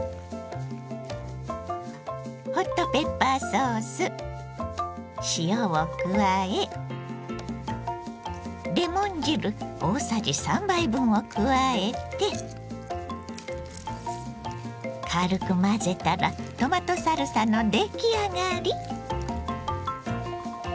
ホットペッパーソース塩を加えレモン汁大さじ３杯分を加えて軽く混ぜたらトマトサルサの出来上がり。